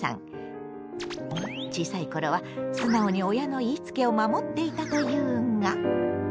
小さい頃は素直に親の言いつけを守っていたというが。